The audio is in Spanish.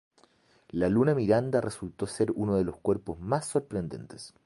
La luna Miranda resultó ser uno de los cuerpos más sorprendentes.